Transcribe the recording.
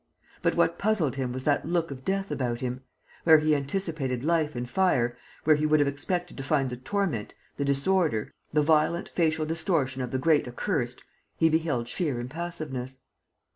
But what puzzled him was that look of death about him: where he anticipated life and fire, where he would have expected to find the torment, the disorder, the violent facial distortion of the great accursed, he beheld sheer impassiveness.